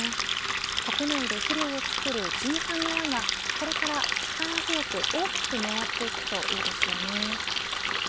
国内で肥料を作る循環の輪がこれから力強く、大きく回っていくといいですよね。